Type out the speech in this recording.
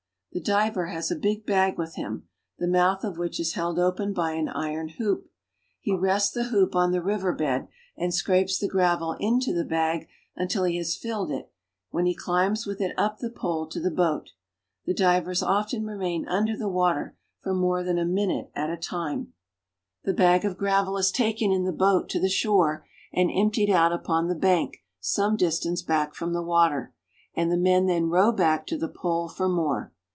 The diver has a big bag with him, the mouth of which is held open by an iron hoop. He rests the hoop on the river bed, and scrapes the gravel into the bag until he has filled it, when he climbs with it up the pole to the boat. The divers often' remain under the water for more than a minute at a time. Negro Woman of Bahia. 2gO BRAZIL. The bag of gravel is taken in the boat to the shore and emptied out upon the bank some distance back from the water, and the men then row back to the pole for more.